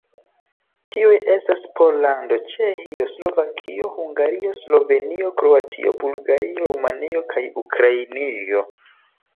Tiuj estas Pollando, Ĉeĥio, Slovakio, Hungario, Slovenio, Kroatio, Bulgario, Rumanio kaj Ukrainio.